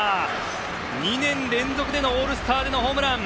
２年連続でのオールスターでのホームラン！